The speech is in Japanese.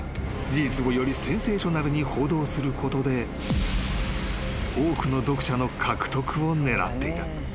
事実をよりセンセーショナルに報道することで多くの読者の獲得を狙っていた］